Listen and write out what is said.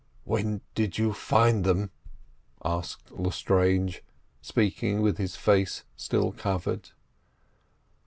"When did you find them?" asked Lestrange, speaking with his face still covered.